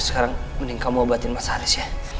sekarang mending kamu obatin mas haris ya